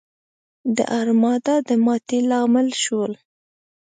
د ارمادا د ماتې لامل شول.